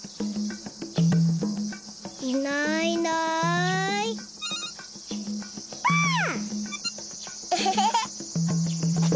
いないいないばあっ！